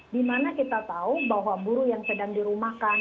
di mana kita tahu bahwa buruh yang sedang dirumahkan